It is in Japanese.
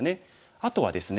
あとはですね